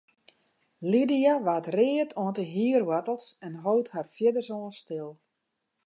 Lydia waard read oant yn de hierwoartels en hold har fierdersoan stil.